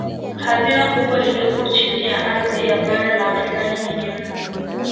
Hazina kubwa iliyopo chini ya ardhi ya bara la Afrika ni nyingi mno